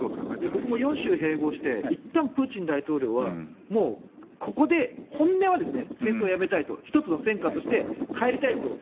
僕も４州を併合してもういったんプーチン大統領はもうここで本音は戦争をやめたいと１つの戦果として帰りたいと。